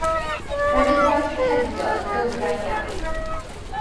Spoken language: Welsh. Roedd eu gwaith cerfio yn gywrain iawn.